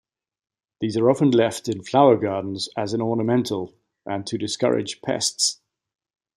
These are often left in flower gardens as an ornamental and to discourage pests.